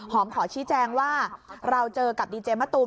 ขอชี้แจงว่าเราเจอกับดีเจมะตูม